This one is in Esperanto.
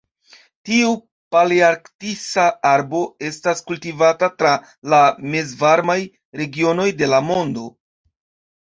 Tiu palearktisa arbo estas kultivata tra la mezvarmaj regionoj de la mondo.